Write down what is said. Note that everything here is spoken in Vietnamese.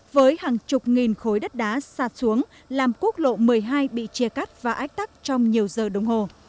với hàng chục nghìn khối đất đá sạt xuống làm quốc lộ một mươi hai bị chia cắt và ách tắc trong nhiều giờ đồng hồ